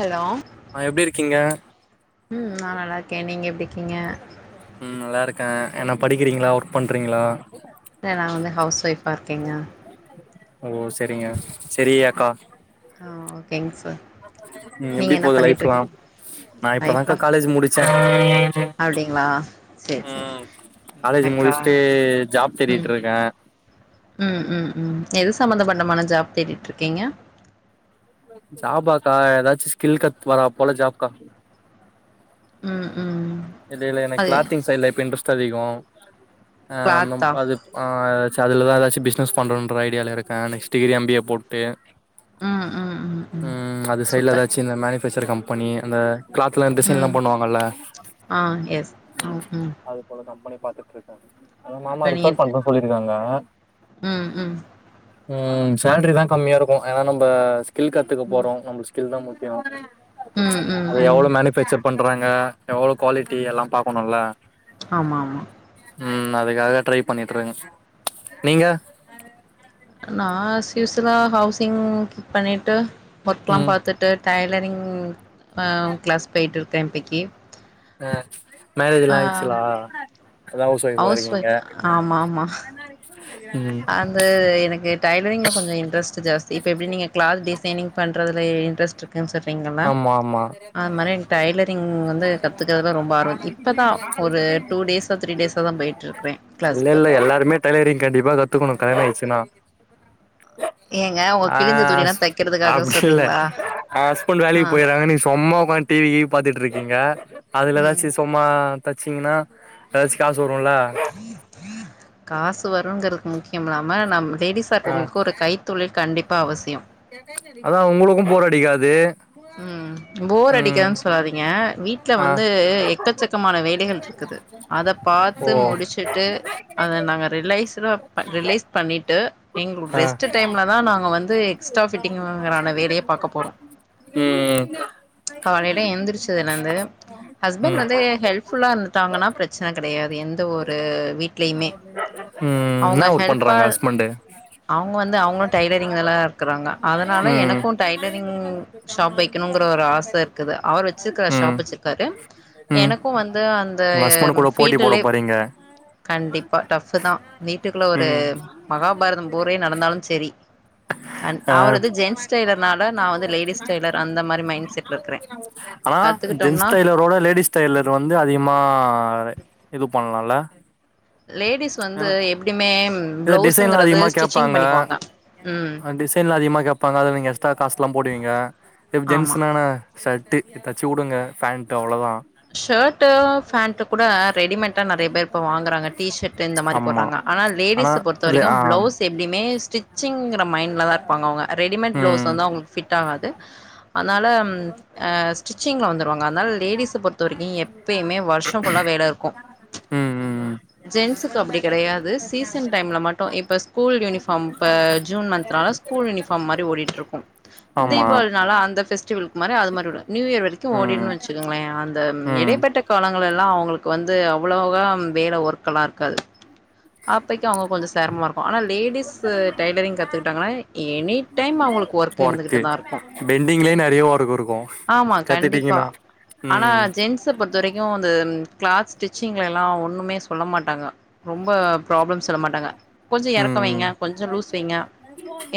hello ஆ எப்டி இருக்கீங்க ம் நா நல்லாருக்கே நீங்க எப்டிக்கீங்க ஆ என்ன படிக்கிறீங்ளா ஒர்க் பண்றீங்ளா ஆ நா வந்து ஹவுஸ் ஒய்ஃபா இருக்கேங்க ஓ செரிங்க செரி அக்கா ஆ ஓகேங்க சார் ம் நீங்க எப்டி என்ன போது லைஃப்லா பண்ணிட்ருக்கீங்க நா இப்பதாங்க்கா லைஃப்லா காலேஜ் முடிச்ச அப்டிங்களா சேரி சேரி ம் காலேஜ முடிச்ட்டு ஜாப் ம் தேடிட்ருக்க ம் ம் ம் எது சம்பந்தப்பட்டமான ஜாப் தேடிட்ருக்கீங்க ஜாபாக்கா ஏதாச்சு ஸ்கில் கத் வரா போல ஜாப்க்கா ம் ம் இத இல்ல எனக் அது க்ளாத்திங் சைட்ல இப்ப இன்ட்ரெஸ்ட் அதிகோ ஆ அந்த கிளாத்தா அது ஆ ச அதுலதா ஏதாச்சு பிஸ்னஸ் பன்றோன்ற ஐடியால இருக்க next degree M B A போட்டு ம் அது சைட்ல சூப்பர் ஏதாச்சு இந்த மேனிஃபேக்சர் கம் ப்பனி அந்த க்ளாத்லா டிசைன்லா ம் பண்ணுவாங்கல்ல ம் அது போலதா [unintelligible] பாத்துட்ருக்க மாமா அப்ப நீங்க ரிஃபர் பண்ற சொல்லியிருக்காங்க ம் ம் ம் சேலரி தா கம்மியா இருக்கு ஏா நம்ப ஸ்கில் கத்துக்க ம் போறோ நம்மல்க்கு ஸ்கில் தா முக்கியோ ம் ம் அது ம் எவ்ளோ மேனுபேக்சர் பண்றாங்க எவ்ளோ குவாலிட்டி எல்லா பாக்கணுல ஆமா ஆமா ம் அதுக்காக ட்ரை பண்ணிட்ருக்கே நீங்க நா அஸ் யூஸ்ஸல்லா ஹவுசிங் கீப் பண்ணிட்டு ஒர்க்ல்லா ம் பாத்துட்டு டை லரிங் அ க்ளாஸ் போய்ட்டு இருக்கே இப்பக்கி அ மேரேஜ்ல்லா ஆ ஆய்டுச்சுல அதா அவுஸ் ஃவொய்ப்பா ஹவுஸ் இருக்கீங்க ஒய்ஃப் ம் அந்த எனக்கு டைலரிங்ல கொஞ்சோ இன்ட்ரஸ்ட் ஜாஸ்தி இப்ப எப்டி நீங்க க்ளாத் டிசைனிங் பண்றதுல இன்ட்ரஸ்ட் ஆமா ஆமா மாரி எனக்கு டைலரிங் வந்து கத்துக்கிறதுல ரொம்ப ஆர்வோ இப்பதா ஒரு டூ டேஸா த்ரீ டேஸா தா போயிட்டுருக்குறே இல்ல கிளாஸ்க்கு இல்ல எல்லாருமே டைலரிங் கண்டிப்பா கத் கத்துக்கணு கல்யாணோ ஆய்ச்சுன்னா ஏங்க உங்க அ கிழிஞ்ச துணிலா தைக்கிறதுக்காக அப்டி இல்ல சொல்றீங்களா அ ஆ வேலக் போய்றாங்க நீ சொம்மா உக்காந்து டீ வி கீவி பாத்துட்டுருக்கீங்க அதுல ம் ஏதாச்சு சொம்மா தச்சீங்கன்னா எதாச்சு காசு வருல்ல காசு வருங்கிறதுக்கு முக்கியமில்லாம நம்ம லேடிஸ்ஸா ஆ இருக்குறவங்களுக்கு ஒரு கைத்தொழில் கண்டிப்பா அவசியோ அதா உங்களுக்கு போர் அடிக்காது ம் போர் ம் அடிக்காதுனு சொல்லாதீங்க வீட்ல ஆ வந்து எக்கச்சக்கமான வேலைகள் இருக்குது அத ஓ பாத்து முடிச்சுட்டு அத நாங்க ரிலைஸ்ட்டடா ரிலைஸ் பண்ணிட்டு எங்ளோட ஆ ரெஸ்ட்டு டைம்ல தா நாங்க வந்து எக்ஸ்ட்டா ஃபிட்டிங்கான வேலயே பாக்க போறோ ம் ம் காலைல எந்திரிச்சதுலந்து ஹஸ்பண்ட் ம் வந்து ஹெல்ப்ஃபுல்லா இருந்துட்டாங்கன்னா பிரச்சன கெடையாது எந்த ஒரு வீட்லயுமே ம் அவுங்க என்ன ஒர்க் ஹெல்ப்பா பண்றாங்க ஹஸ்பண்டு அவுங்க வந்து அவுங்ளு டைலரிங்ல தா இருக்குறாங்க அதனால ம் எனக்கு ம் டைலரிங் ஷாப் வை க்கணுங்குற ஒரு ஆச இருக்குது அவர் வச்சிருக்காரு ஷாப் வச்சிருக்காரு ம் எனக்கு வந்து அந்த உங்க ஹஸ்பண்ட் கூட போட்டி போட ஃபீல்ட்லே போறீங்க கண்டிப்பா டஃப்பு தா வீட்டுக்குள்ள ஒரு ம் மகாபாரதம் போரே நடந்தாலு செரி ஆ அவர் வந்து ஜென்ஸ் டைலர்னால நா வந்து லேடிஸ் டைலர் அந்த மாரி மைண்ட் செட்ல இருக்கறே ஆனா ஜென்ஸ் கத்துக்கிட்டோம்னா டைலரோட லேடிஸ் டைலர் வந்து அதிகமா இது பண்ணலால லேடிஸ் வந்து எப்டியுமே இத ப்ளவுஸ்ங்குறது ஸ்டிச்சிங் பண்ணிக்குவாங்க ம் அ டிசைன்லா அதிகமா கேப்பாங்க அத நீங்க எக்ஸ்ட்ரா காசுலா போடுவீங்க இப்ப ஆமா ஜென்ஸ்னா நா ஷர்ட்டு இத தச்சு குடுங்க ஃபேண்ட்டு அவ்ளோதா ஷர்ட்டு ஃபேண்ட் கூட ரெடிமேட் தா நெறைய பேர் இப்ப வாங்குறாங்க டி ஷர்ட்டு இந்த மாரி ஆமா போட்றாங்க ஆனா லேடிஸ பொறுத்த இல்ல வரைக்கு ஆ ப்ளவுஸ் எப்டியுமே ஸ்டிச்சிங் மைண்ட்ல தாருப்பாங்க அவுங்க ரெடிமேட் ப்ளவுஸ் ம் வந்து அவுங்ளுக்கு ஃபிட் ஆகாது அனால ஸ்டிச்சிங்ல வந்துருவாங்க அனால லேடிஸ பொறுத்த வரைக்கு எப்பயுமே வருஷோ ஃபுல்லா வேல இருக்கு ம் ம் ஜென்ஸுக்கு அப்டி கெடையாது சீசன் டைம்ல மட்டு இப்ப ஸ்கூல் யூனிஃபார்ம் இப்ப ஜூன் மன்த்னால ஸ்கூல் யூனிஃபார்ம் மாரி ஓடிட்ருக்கு ஆமா தீபாளினால அந்த ஃவெஸ்டிவல்க்கு மாரி அது மாரி ஓடூ நியூ இயர் வரைக்கு ம் ஓடிருன் வச்சுக்குங்ளே அந் த ம் இடைப்பட்ட காலங்கெல்லா அவுங்ளுக்கு வந்து அவ்ளவுகா வேல ஒர்க்லா இருக்காது அப்பக்கி அவுங்க கொஞ்சோ செரமமாருக்கு ஆனா லேடிஸ்ஸு டைலரிங் கத்துக்கிட்டாங்னா எனி டைம் அ வுங்களுக்கு ஒர்க் இருந்துகிட்டு ஒர்க்கு தா இருக்கு பெண்டிங்லே நெறைய ஒர்க் இருக்கூ கத்துட்டீங்னா ம் ஜென்ஸ்ஸ பொறுத்த வரைக்கூ இந்த க்ளாத் ஸ்டிச்சிங்லலா ஒன்னுமே சொல்ல மாட்டாங்க ரொம்ப ப்ராப்ளம்ஸ் சொல்ல மாட்டாங்க கொஞ்சோ ம் எறக்கோ ம் வைங்க கொஞ்சோ லூஸ் வைங்க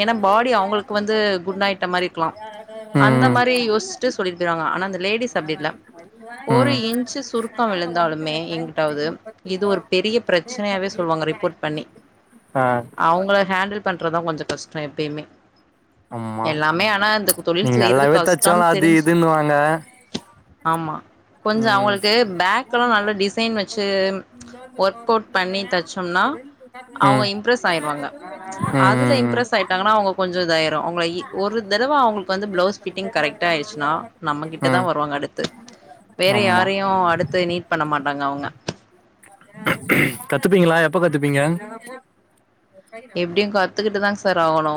ஏன்னா பாடி அவங்களுக்கு வந்து குண் ஆயிட்ட மாரி இருக்கலா அந்த மாரி யோச்சுட்டு சொல்லிட்டு [unintelligible] ஆனா இந்த லேடிஸ் அப்டி இல்ல ம் ஒரு ம் இன்ச்சு சுருக்கோ விழுந்தாலுமே எங்குட்டாவது இது ஒரு பெரிய பிரச்சனயாவே சொல்வாங்க ரிப் போர்ட் பண்ணி ஆ அவுங்கள ஹேண்டில் பண்றது தா கொஞ்சோ கஷ்டோ எப்பியுமே ஆமா தொழில் நீங்க செய்யறது நல்லாவே தச்சாலு கஷ்டம்னு அது தெரிஞ்சு இதுன்னுவாங்க ஆமா கொஞ்சோ ம் அவங்களுக்கு பேக்கல்லா நல்ல டிசைன் வச்சு ஒர்க் அவுட் பண்ணி தச்சோம்னா அவங்க இம்ப்ரஸ் ஆயிருவாங்க ம் ம் அதுல ம் இம்ப்ரஸ் ஆயிட்டாங்னா அவங்க கொஞ்சோ இதாயிரு அவங்க இ ஒரு தரவ அவுங்ளுக்கு வந்து பிளவுஸ் ஃபிட்டிங் கரெக்ட் ஆயிடுச்சுன்னா நம்ம கிட்ட தா ம் வருவாங்க அடுத்து வேற ஆமா யாரையு அடுத்து நீட் பண்ண மாட்டாங்க அவங்க கத்துப்பீங்களா எப்ப கத்துப்பீங்க எப்டியு கத்துக்குட்டு தாங் சார் ஆகுணு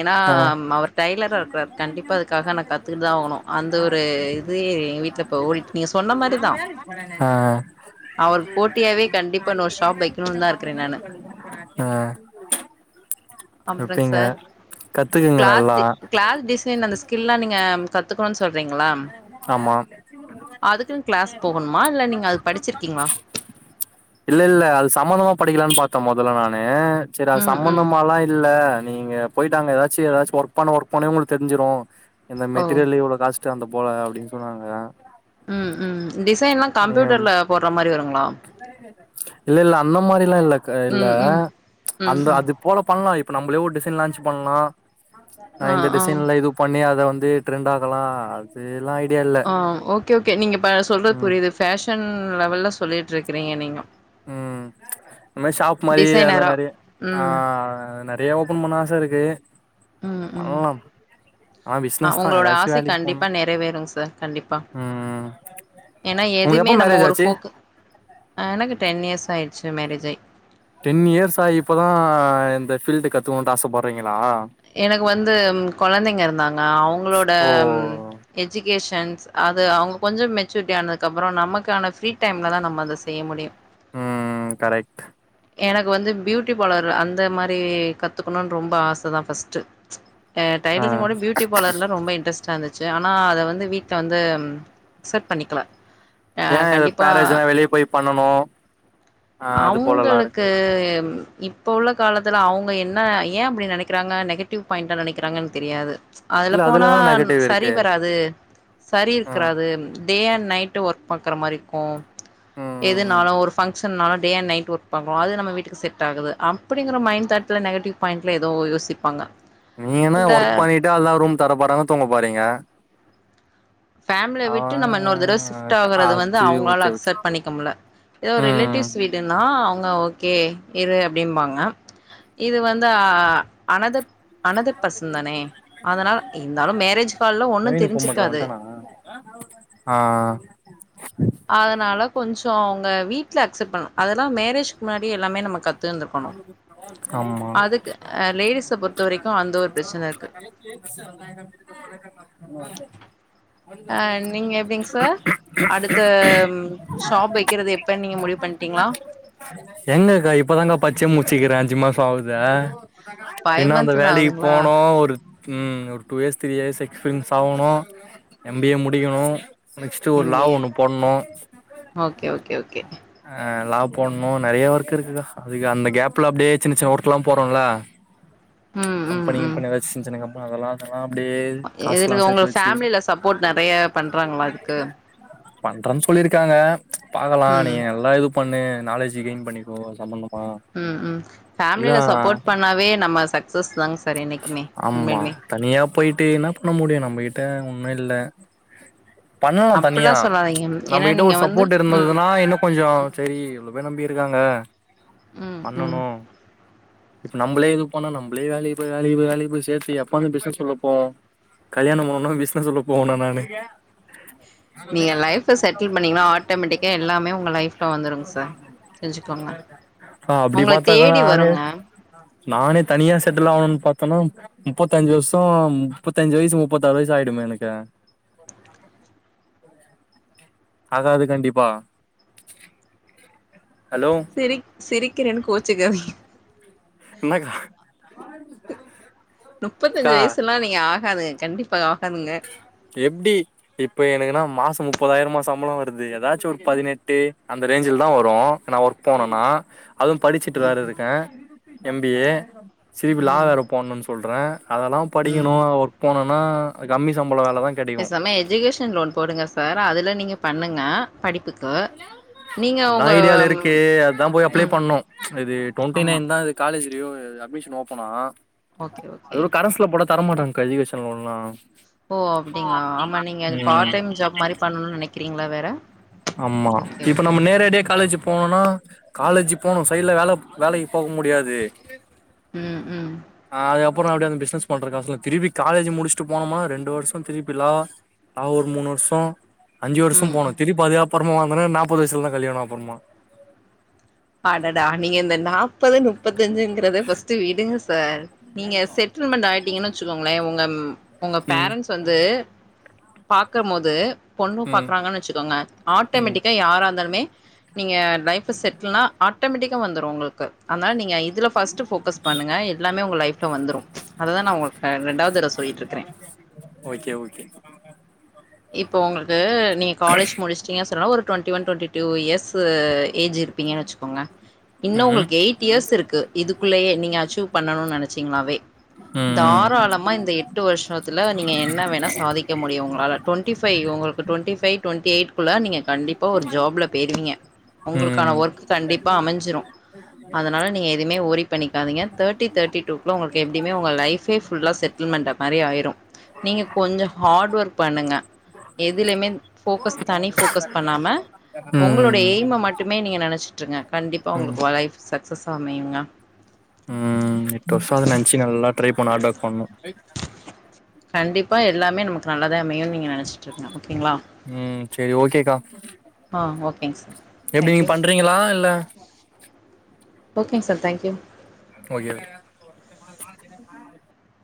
ஏனா ஆ அவர் டெய்லராருக்குறார் கண்டிப்பா அதுக்காக நா கத்துக்குட்டு தா ஆகுணு அந்த ஒரு இது எங்க வீட்ல இப்போ ஓடிட் நீங்க சொ ஆ அவருக்கு போட்டியாவே கண்டிப்பா நா ஒரு ஷாப் வைக்கணுனு தா இருக்கிறே நானு ஆ அப்பறங் கத்துப்பீங்க சார் கத்துக்குங்க நல்லா கிளாத்து கிளாத் டிசைன் அந்த ஸ்கில்லா நீங்க கத்துக்குணுன் சொல்றீங் மே ஆமா அதுக்குனு கிளாஸ் போகணுமா இல்ல நீங்க அது படிச்சிருக்கீங்ளா இல்ல இல்ல அது சம்பந்தமா படிக்கலான் பாத் தே மொதல நானு சரி அது ம் ம் சம்பந்தமாலா இல்ல நீங்க போயிட்டு அங்க எதாச்சி எதாச்சி ஒர்க் பண்ண ஒர்க் பண்ண உங்களுக்கு தெரிஞ்சுரு இந்த ஓ மெட்டிரியல் இவ்ள காசு டு அந்த போல அப்டின் சொன்னாங்க ம் ம் டிசைன்லா நீ கம்ப்யூட்டர்ல போட்ற மாரி வருங் இல்ல இல்ல அந்த மாரில்லா இல்லக் இல்ல ம் ம் ம் அந்த ம் அது போல பண்லா இப் ப்ப நம்பளே ஒரு டிசைன் லான்ச் பண்லா ஆ இந்த ஆ டிசைன்ல இது பண்ணி அத வந்து ட்ரெண்ட் ஆகலா அதுல்லா ஐடியா இல்ல ஆ ஓகே ஓகே நீங்க ப சொல்றது ம் புரியுது ஃபேஷன் லெவல்ல சொ சொல்லிட்ருக்கிறீங்க நீங்க இம்மாரி ஷாப் மாரி அதெல்லா டிசைனரா நறய ஆ ம் நறய ஓபன் பண்ண ஆச இருக்கு ம் ம் பண்லாம் ஆனா ஆ பிசினஸ் தா உங்களோட ஏதாச்சு ஆசை வேலைக்கு போணு கண்டிப்பா நெறைவேறுங் சார் கண்டிப்பா ம் ஏன்னா உங்களுக்கு எதுமே எப்ப நம்ம மேரேஜ் ஒரு ஆச்சு ஃபோக் அ எனக்கு டென் இயர்ஸ் ஆயிடுச்சு மேரேஜ் ஆயி டென் இயர்ஸ் ஆ இப்பதா இந்த ஃபீல்டு கத்துக்கனுட்டு ஆசப்படுறீங்களா எனக்கு வந்து கொழந்தைங்க இருந்தாங்க அவுங்களோட ஓ ம் எஜிகேஷ ன்ஸ் அது அவுங்க கொஞ்ச மெச்சூரிட்டி ஆனதுக்கு அப்பறோ நமக்கான ஃப்ரீ டைம்ல தான் நம்ம அத செய்ய முடியும் ம் கரெக்ட் எனக்கு வந்து பியூட்டி பார்லர் அந்த மாரி கத்துக்கணுனு ரொம்ப ஆச தான் ஃபர்ஸ்டு ட ஆ டைலரிங்கோட ஃபியூட்டி பார்லர்ல தான் ரொம்ப இன்ட்ரஸ் ட்டா இருந்துச்சு ஆனா அத வந்து வீட்ல வந்து அக்செட் பண்ணிக்கல அ ஏ எதோ கண்டிப்பா மேரேஜ்னா வெளியே போய் பண்ணனு ஆ அது போலலா இருக்கு அவுங்களுக்கு இப்ப உள்ள காலத் துல அவுங்க என்ன ஏ அப்டி நெனக்கிறாங்க நெகட்டிவ் ஃபாயிண்டா நெனக்கிறாங்கன் தெரியாது அதுல இல்ல போனா என்ன நெகட்டிவ் சரி இருக்கு வராது சரி ம் இருக்கறாது டே அண்ட் நைட் ஒர்க் பாக்குற மாரி இருக்கூ ம் ம் ம் எதுனாலு ஒரு ஃபங் சன்னாலு டே அண்ட் நைட் ஒர்க் பாக்கணு அது நம்ம வீட்டுக்கு செட் ஆகுது அப்புடிங்குற மைண்ட் தாட்ல நெகடிவ் பாய்ண்ட்ல எதோ யோசிப்பாங்க நீங்கனா இல்ல ஒர்க் பண்ணிட்டு அல்லா ரூம் தரப்போறாங்க தூங்க போறீங்க ஃபேமிலிய ஆ விட்டு நம்ம இன்னொரு தடவ ஷிஃப்ட் ஆகறது வந்து அது அவுங்களால ஓகே ஓகே அக்செப்ட் பண்ணிக்க முட்ல ஏதோ ஒரு ம் ரிலேட்டிவ்ஸ் வீடுன்னா ன்னா ஓகே இரு அப்டிம்பாங்க இது வந்து அ அனதர் அனதர் பர்சன் தானே அதனால இருந்தாலும் மேரேஜ் ஹால்ல ஒண்ணு நவீனுக்கு ஃபோன் பண்றே தெரிஞ்சுக்காது வன்ட்டானா ஆ அதனால கொஞ்சோ அவுங்க வீட்ல அக்செப்ட் பண்ணணு அதெல்லாம் மேரேஜ்கு முன்னாடி எல்லாமே நம்ம கத் ஆம்மா லேடிஸ பொறுத்த வரைக்கு அந்த ஒரு பிரச்சன இருக்கு [unintelligible] அ நீங்க எப்டிங் சர் அடுத்த ஷாப் வெக்கிறது எப்பன் நீங்க முடிவு பண்ட்டீங்ளா எங்கக்கா இப்பதாங்க பச்சே முச்சுக்கிற அஞ்சு மாச ஆவுதே ஃபைவ் இன்னு அந்த மந்த் தா வேலக்கி ஆகுதுங்களா போனு ஒரு ம் ஒரு two years three years experience ஆவணு எம் பி ஏ முடிக்கணு நெக்ஸ்ட் ஒரு எம் லா பி ஏ ஒண்ணு போட்ணு ஓகே ஓகே ஓகே அ லா போட்ணு நறைய ஒர்க் இருக்குக்கா அதுக்கு அந்த கேப்ல அப்டியே சின்ன சின்ன ஒர்க் எல்லாம் போறோல ம் ம் கம்பெனி ம் கிம்பெனி ஏதாச்சி சின் சின்ன கம்பெனி அதெல்லா அப்டியே காசுல்லா இதுல உங்க சேத்து வச்சி ஃபேமிலில சப்போர்ட் நெறைய பண்றாங்களா அதுக்கு பண்றன் சொல்லியிருக்காங்க பாக்கலா ம் நீங்க நல்லா இது பண்ணு நாலேஜ் கெயின் பண்ணிக்கோ ம் ம் இல்ல ஃபேமிலல சப்போர்ட் பண்ணாவே நம்ம சக்சஸ் தாங்க சார் என்னைக்குமே ஆம்மா உண்மையிலுமே தனியா போயிட்டு என்ன பண்ண முடியு நம்பகிட்ட ஒன்னு இல்ல பண்ணலாம் அப்டிலா தனியா சொல்லாதீங்க ஏன்னா நம்மகிட்ட நீங்க ஒரு வந்து சப்போர்ட் ம் இருந்ததுன்னா இன்னு கொஞ்சோ சரி எவ்வளவு பேர் நம்பி இருக்காங்க ம் ம் பண்ணணு இப்ப நம்ளே இது பண்ணு நம்மளே வேலைக்கு போயி வேலைக்கு போய் வேலைக்கு போய் சேத்தி எப்பங்க பிசினஸ்குள்ள போவோ கல்யாணோ பண்ணணூ பிசினஸ்குள்ள போகணூ நானு நீங்க லைஃப செட்டில் பண்ணீங்கனா ஆட்டோமேட்டிக்கா எல்லாமே உங்க லைஃப்ல வந்துருங்க சார் தெரிஞ்சுக்கோங்க ஆ அப்பிடி உங்கள பாத்தாக்கா தேடி நானே வருங்க நானே தனியா செ ட்டில் ஆவணூன் பாத்தனா முப்பத்தஞ்சு வர்ஷோ முப்பத்தஞ்சு வயசு முப்பத்தாறு வயசு ஆயிடுமே எனக்கு ஆகாது கண்டிப்பா ஹலோ சிரிக் சிரிக்கிறேன் கோச்சுக்காதிங்க என்னக்கா முப்பத்தஞ்சு அக்கா வயசுலா நீங்க ஆகாதுங்க கண்டிப் எப்டி இப்ப எனக்குன்னா மாச முப்பதாயிரமா சம்பளோ வருது எதாச்சு ஒரு பதினெட்டு அந்த ரேஞ்சுல்தா வரூ நா ஒர்க் போனனா அதுவூ படிச்சுட்டு ம் வேறருக்கே எம் பி ஏ சிரிப் லா ம் வேற போடணூன் சொல்றே அதெல்லா படிக்கணூ ம் ஒர்க் போணூனா கம்மி ச பேசாம எஜுகேஷன் லோன் போடுங்க சார் அதுல நீங்க பண்ணுங்க படிப்புக் அத்தா ஐடியால இருக்கு அத்தா போய் அப்ளை ம் பண்ணூ இது டொண்டி ஆமா நைன் தா இது காலேஜு யோயி அட்மிஷன் ஓப்பனா ஓகே ஓகே தரமாட்டாங்க்கா எஜுகேஷன் லோன்லா ஓ அப்டிங்ளா ஆமா நீங்க அது ம் பார்ட் டைம் ஜாப் மாரி பண்ணணூன் நெனைக்றீங்கல வேற ஆமா ஓகே இப்ப ஓகே நம்ம ஓகே நேரடியா காலேஜு போணுனா காலேஜிக் போணு ம் சைட்ல வேலப் வேலைக்கு போ முடியாது ம் ம் அப்றோ எப்டி அந்த பிசினஸ் பண்றக்காசுல திரிப்பி காலேஜு முடிச்சட்டு போனோமா ரெண்டு வருஷோ திருப்பி லா ஆ ஒரு மூணு வருஷோ அஞ்சு வர்ஷோ ம் போணு திருப்பி அதுக்கப்றமா வந்தனா நாப்பது வயசுலதா கல்யாணோ அப்புறமா ப்பதா நுப்பத் தஞ்சுங்கிறத ஃபஸ்ட்டு விடுங்க சார் நீங்க செட்டில்மெண்ட் ஆயிட்டீங்கன் வச்சுக்கோங்களே உங்கம் உங்க ம் பேரன்ட்ஸ் வந்து பாக்கமோது பொண்ணு ம் பாக்றாங்கன் வச்சுக்கோங்க ம் ஆட்டோமேட்டிக்கா யாராந்தாலுமே நீங்க லைஃப செட் ட்ல்னா ஆட்டோமேட்டிக்கா வந்துரூ உங்களுக்கு அத்னால் நீங்க இதுல ஃபஸ்ட் ஃபோக்கஸ் பண்ணுங்க எல்லாமே உங்க லைஃப் ல வந்துரூ அததா நா உங்களுக்க ரெண்டாவ்தரவ சொல்லிட்ருக்கறே ஓகே ஓகே இப்ப உங்களுக்கு நீங் காலேஜ் முடிச்சுட்டீங்க சொன் ஒரு twenty one twenty two years age பீங்கன் வெச்சுக்கோங்க இன்னு ம் உங்கள்க்கு எயிட் இயர்ஸ் இருக்கு இதுக்குள்ளயே நீங்க அச்சூவ் பண்ணணு நனச்சீங்னாவே ம் ம் தாராளமா இந்த எட்டு வர்ஷத்துல நீங்க என்ன வேணா சாதிக்க முடியு உங்களால டொண்டி ஃபையு உங்ளுக்கு டொண்டி ஃபை டொண்டி எய்ட்க்குள்ள நீங்க கண்டிப்பா ஒரு ஜாப்ல பேய்ருவீங்க உங்களுக்கான ம் ஒர்க் கண்டிப்பா அமஞ்சிரு அதனால நீங்க எதுமே ஓரி பண்ணிகாதிங்க தேட்டி தேட்டி குள்ள உங்கள்க்கு எப்டிமே உங்க லைஃபே ஃபுல்லா செட்ல்மெண்ட மாரி ஆயிரூ நீங்க கொஞ்ச ஹாட் ஒர்க் பண்ணுங்க எதுலமே ஃபோக்கஸ் தனி ஃபோக்கஸ் பண்ணாம உங்களுடைய ம் எய்ம மட்டுமே நீங்க நனச் ட்ருங்க கண்டிப்பா உங்ளுக்கு ஒ லைஃப் சக்சஸா அமையுங்க போனு ஆட பண்ணு கண்டிப்பா எல்லாமே நமக்கு நல்லதா அமையு நீங்க நன ம் செரி ஓக்கேக்கா ஆ ஓகேங் சார் எப்டி நீ தேங்க்யூ பண்றீகளா இல்ல okay sir thank you okay